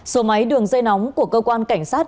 số máy đường dây nóng của cơ quan cảnh sát